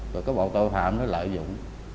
rồi có bộ tội phạm nó lợi dụng